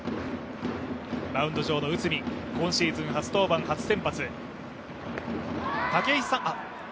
マウンド上の内海、今シーズン初登板・初先発。